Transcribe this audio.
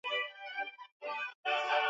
yawe ya kukusifu wewe